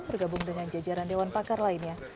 bergabung dengan jajaran dewan pakar lainnya